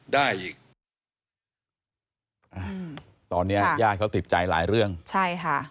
ได้อีกอ่าตอนเนี้ยญาติเขาติดใจหลายเรื่องใช่ค่ะ